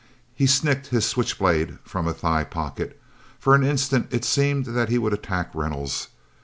He snicked his switch blade from a thigh pocket. For an instant it seemed that he would attack Reynolds.